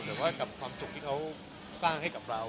แต่ว่าความสุขที่เขาสร้างให้เรา